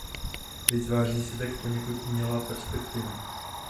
Vytváří se tak poněkud umělá perspektiva.